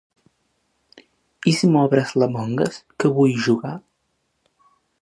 I si m'obres l'"Among us", que vull jugar?